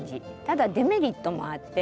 ただデメリットもあって。